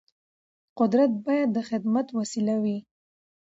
قدرت باید د خدمت وسیله وي